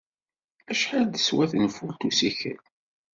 Acḥal teswa tenfult ussikel?